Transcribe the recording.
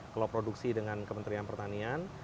kloproduksi dengan kementerian pertanian